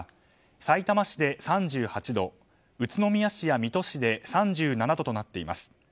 さいたま市で３８度宇都宮市や水戸市で３７度となっています。